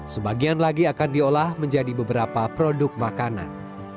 sebagian lagi akan diolah menjadi beberapa produk makanan